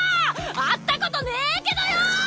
会ったことねぇけどよ！